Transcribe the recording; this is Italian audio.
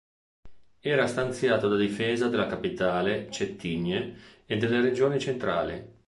Era stanziato da difesa della capitale Cettigne e delle regioni centrali.